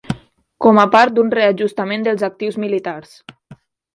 Com a part d'un reajustament dels actius militars.